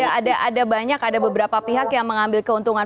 ya ada banyak ada beberapa pihak yang mengambil keuntungan